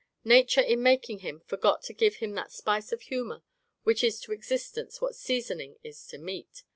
Nature in making him forgot to give him that spice of humour which is to existence what seasoning is to meat.